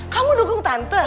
kamu dukung tante